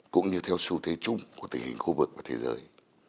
cũng như theo xu thế chung của tình hình khu vực và thế giới